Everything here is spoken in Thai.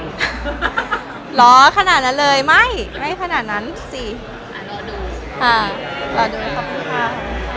เหรอขนาดนั้นเลยไม่ไม่ขนาดนั้นสิรอดูค่ะรอดูขอบคุณค่ะ